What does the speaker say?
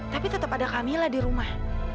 tapi tetap ada kamila di rumah